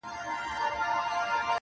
• ستا بچیان هم زموږ په څېر دي نازولي؟ -